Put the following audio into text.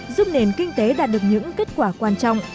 giúp nền kinh tế đạt được những kết quả quan trọng